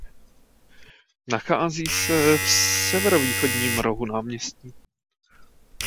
Nachází se v severovýchodním rohu náměstí.